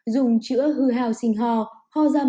dùng chữa hư hào sinh ho ho da máu liệt dương